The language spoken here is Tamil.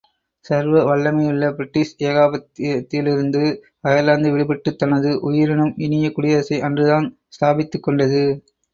சர்வ வல்லமையுள்ள பிரிட்டிஷ் ஏகாதிபத்தியத்திலிருந்து அயர்லாந்து விடுபட்டுத் தனது உயிரினும் இனிய குடியரசை அன்றுதான் ஸ்தாபித்துக் கொண்டது.